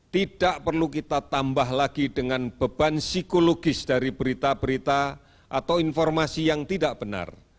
tidak perlu kita tambah lagi dengan beban psikologis dari berita berita atau informasi yang tidak benar